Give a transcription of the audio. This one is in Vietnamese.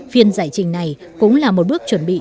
phiên giải trình này cũng là một bước chuẩn bị